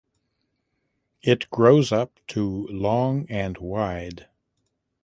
It grows up to long and wide.